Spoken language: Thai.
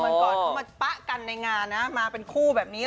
วันก่อนเขามาปะกันในงานนะมาเป็นคู่แบบนี้